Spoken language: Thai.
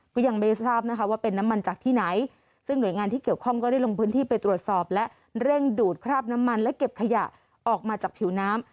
ก็ยังไม่ได้ทราบนะคะว่าเป็นน้ำมันจากที่ไหนซึ่งหน่วยงานที่เกี่ยวข้องก็ได้ลงพื้นที่ไปตรวจสอบและเร่งดูดคราบน้ำมันและเก็บขยะออกมาจากผิวน้ำ